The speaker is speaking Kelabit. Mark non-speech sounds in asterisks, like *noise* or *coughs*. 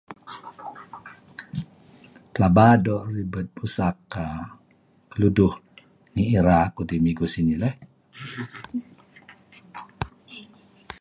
[whisper] Pelaba doo' ribed busak uhm luduh ngi ira kudih ngi Kusing leyh. *coughs*